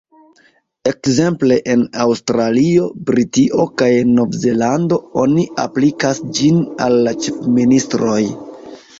Ekzemple en Aŭstralio, Britio kaj Novzelando oni aplikas ĝin al la ĉefministroj.